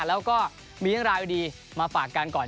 แล้วก็มีเรื่องราวดีมาฝากกันก่อน